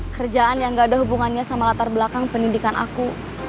kerjaan yang gak ada hubungannya sama latar belakang pendidikan aku